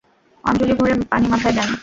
অঞ্জলি ভরে পানি মাথায় দেন।